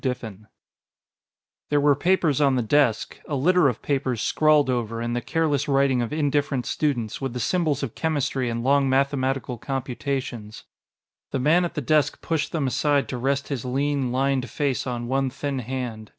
Diffin_ There were papers on the desk, a litter of papers scrawled over, in the careless writing of indifferent students, with the symbols of chemistry and long mathematical computations. The man at the desk pushed them aside to rest his lean, lined face on one thin hand.